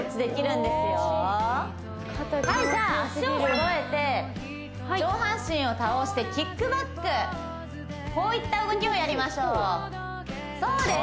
はいじゃ脚をそろえて上半身を倒してキックバックこういった動きをやりましょうそうです